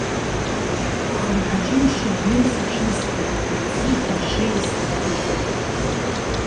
Хымҳа џьымшьа блын сыҽнысхит, Мци ԥаршеии срыхҭынҵоуп.